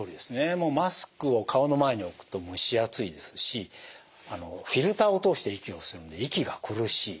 もうマスクを顔の前に置くと蒸し暑いですしフィルターを通して息をするので息が苦しい。